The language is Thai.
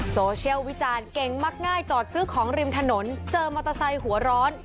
โซเชียลวิจารณ์เก่งมักง่ายจอดซื้อของริมถนนเจอมอเตอร์ไซค์หัวร้อน